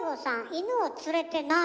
犬を連れてない。